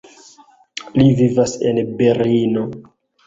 Li vivas en Berlino.